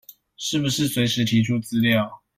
是不是隨時提出資料